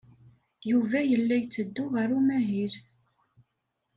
Yuba yella yetteddu ɣer umahil.